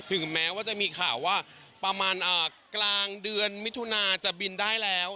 ถึงแม้ว่าจะมีข่าวว่าประมาณกลางเดือนมิถุนาจะบินได้แล้ว